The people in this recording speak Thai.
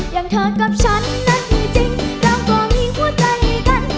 อย่างเธอกับฉันนั้นจริงเราก็มีหัวใจกัน